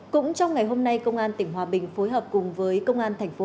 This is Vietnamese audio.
cũng trong ngày hôm nay công an tỉnh hòa bình phối hợp cùng với công an thành phố